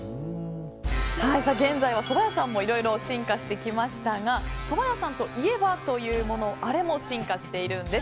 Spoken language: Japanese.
現在はそば屋さんもいろいろ進化してきましたがそば屋さんといえばというものあれも進化しているんです。